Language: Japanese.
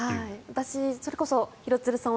私、それこそ廣津留さん